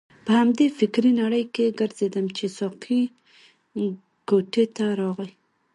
په همدې فکرې نړۍ کې ګرځیدم چې ساقي کوټې ته راغی.